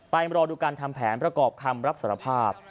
รอดูการทำแผนประกอบคำรับสารภาพ